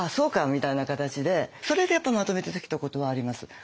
みたいな形でそれでまとめてきたことはあります。